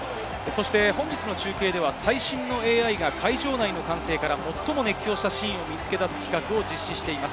本日の中継では最新のＡＩが会場内の歓声から、最も熱狂したシーンを見つけ出す企画を実施しています。